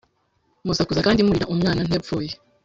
musakuza kandi murira Umwana ntiyapfuye